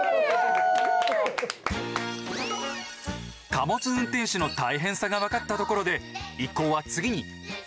貨物運転士の大変さが分かったところで一行は次に。